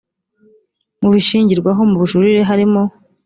mu bishingirwaho mu bujurire harimo